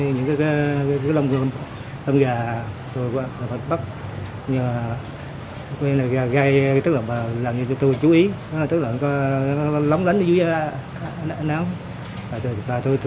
những lông gà bạch bắp gai làm cho tôi chú ý lóng lánh dưới ánh áo